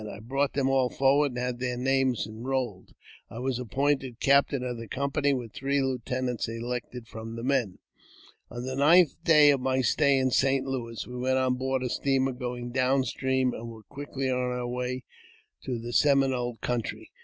I brought them all forward, and had their names en rolled. I was appointed captain of the company, with three 1 lieutenants elected from the men. On the ninth day of my stay in St. Louis, we went on board a steamer going down stream, and were quickly on our way to the Seminole country.